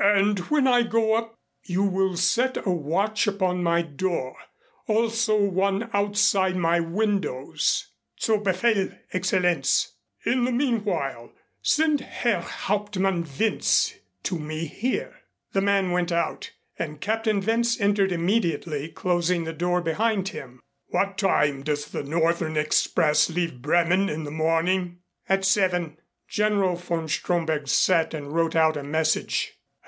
And when I go up you will set a watch upon my door also one outside my windows." "Zu befehl, Excellenz." "In the meanwhile send Herr Hauptmann Wentz to me here." The man went out and Captain Wentz entered immediately closing the door behind him. "What time does the northern express leave Bremen in the morning?" "At seven." General von Stromberg sat and wrote out a message.